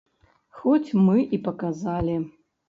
Хоць мы і паказалі.